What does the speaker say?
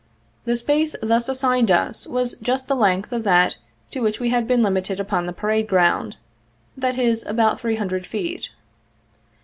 The space thus assigned us was just the length of that to which we had been limited upon the parade ground, that is, about three hundred feet.